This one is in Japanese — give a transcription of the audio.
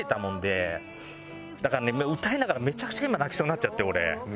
だから歌いながらめちゃくちゃ今泣きそうになっちゃって俺。